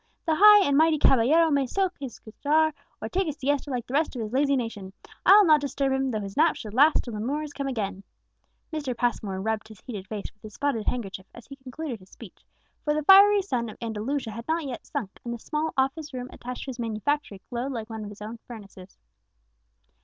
The high and mighty caballero may smoke his cigar, or take his siesta, like the rest of his lazy nation; I'll not disturb him, though his nap should last till the Moors come again!" Mr. Passmore rubbed his heated face with his spotted handkerchief as he concluded his speech, for the fiery sun of Andalusia had not yet sunk, and the small office room attached to his manufactory glowed like one of his own furnaces.